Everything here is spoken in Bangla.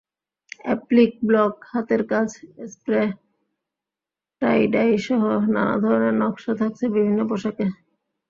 অ্যাপ্লিক, ব্লক, হাতের কাজ, স্প্রে, টাইডাইসহ নানা ধরনের নকশা থাকছে বিভিন্ন পোশাকে।